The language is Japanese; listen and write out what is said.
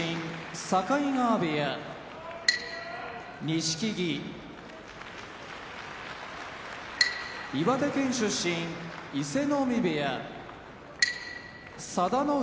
境川部屋錦木岩手県出身伊勢ノ海部屋佐田の海